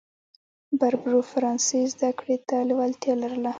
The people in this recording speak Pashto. بربرو فرانسې زده کړې ته لېوالتیا لرله.